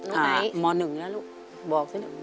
หมอหนึ่งแล้วลูกบอกซิลูก